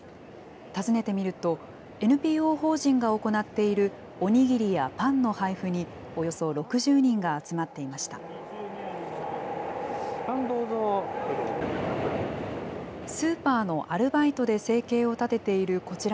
訪ねてみると、ＮＰＯ法人が行っているお握りやパンの配布に、およそ６０人が集まっていました。